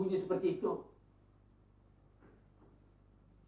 aku sudah berbohong